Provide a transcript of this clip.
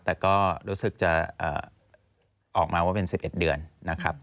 แต่ก็รู้สึกจะออกมาว่าเป็น๑๑เดือนนะครับ